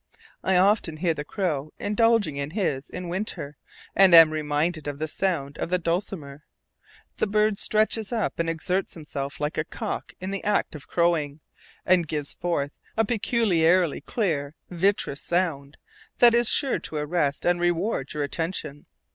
I often hear the crow indulging in his in winter, and am reminded of the sound of the dulcimer. The bird stretches up and exerts himself like a cock in the act of crowing, and gives forth a peculiarly clear, vitreous sound that is sure to arrest and reward your attention.